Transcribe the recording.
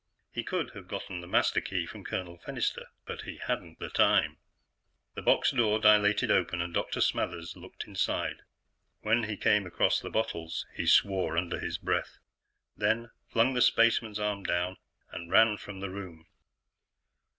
He could have gotten the master key from Colonel Fennister, but he hadn't the time. The box door dilated open, and Dr. Smathers looked inside. When he came across the bottles, he swore under his breath, then flung the spaceman's arm down and ran from the room.